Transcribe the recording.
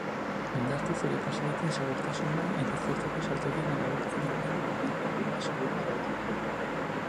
Indartu zure pasahitzen segurtasuna, eta ziurtatu saltokian erabiltzen duten ordainlekua segurua dela.